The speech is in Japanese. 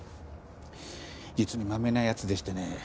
実にマメなやつでしてね